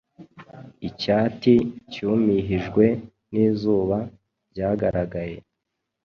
Icyati cyumihijwe nizuba byagaragaye